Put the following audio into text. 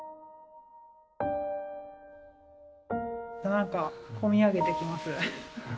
なんか込み上げてきます。